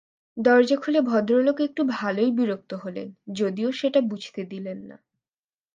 দরজা খুলে ভদ্রলোক একটু ভালোই বিরক্ত হলেন যদিও সেটা বুঝতে দিলেন না।